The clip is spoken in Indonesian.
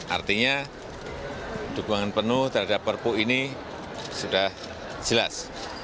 artinya dukungan penuh terhadap perpu ini sudah jelas